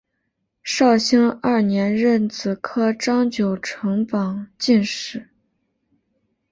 绍兴二年壬子科张九成榜进士。